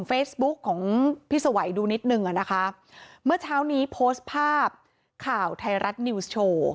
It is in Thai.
เฟซบุ๊กของพี่สวัยดูนิดนึงอ่ะนะคะเมื่อเช้านี้โพสต์ภาพข่าวไทยรัฐนิวส์โชว์